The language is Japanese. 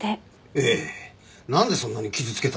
ええなんでそんなに傷つけたんでしょう？